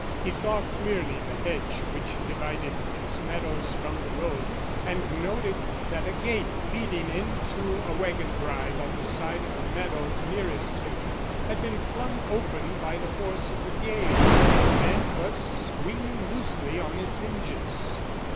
He saw clearly the hedge which divided its meadows from the road, and noted that a gate leading into a wagon drive on the side of the meadow nearest him had been flung open by the force of the gale, and was swinging loosely on its hinges.